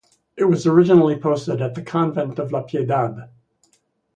It was originally hosted at the Convent of La Piedad.